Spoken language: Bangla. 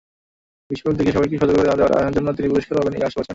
বিস্ফোরক দেখিয়ে সবাইকে সতর্ক করে দেওয়ার জন্য তিনি পুরস্কার পাবেন—এই আশা করেছিলেন।